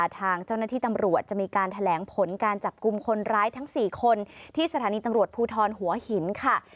ทางเจ้าหน้าที่ตำรวจจะมีการแถลงผลการจับกลุ่มคนร้ายทั้ง๔คนที่สถานีตำรวจภูทรหัวหินค่ะ